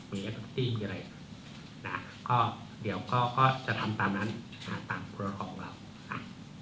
มีแอลกอตตี้มีอะไรก็เดี๋ยวก็จะทำตามนั้นตามภูมิของเราค่ะ